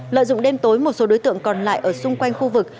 lợi dụng đêm tối một số đối tượng còn lại ở xung quanh khu vực